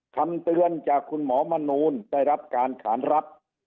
คำเตือนจากคุณหมอมนูลได้รับการขานรับ